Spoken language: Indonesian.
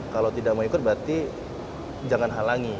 kalau tidak mau ikut berarti jangan halangi